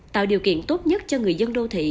tạo điều kiện tốt nhất cho người dân đô thị